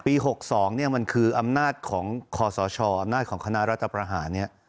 ๖๒เนี่ยมันคืออำนาจของคอสชอำนาจของคณะรัฐประหารเนี่ย